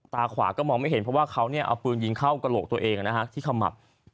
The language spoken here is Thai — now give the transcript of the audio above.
ตาขวาก็มองไม่เห็นเพราะว่าเขาเอาปืนยิงเข้ากระโหลกตัวเองที่ขมับ